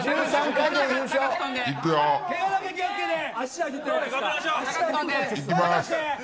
けがだけ気を付けて。